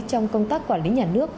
trong công tác quản lý nhà nước